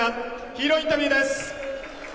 ヒーローインタビューです。